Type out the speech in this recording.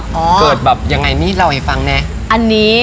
เกิดแบบยังไงนี่เราให้ฟังนี่